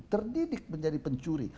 terdidik menjadi pencuri